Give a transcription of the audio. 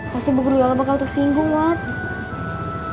pasti bu guliola bakal tersinggung wak